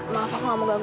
maaf aku gak mau ganggu